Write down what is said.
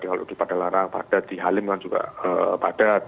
kalau di padalarang padat di halim kan juga padat